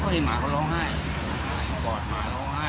เพราะเห็นหมาเขาร้องไห้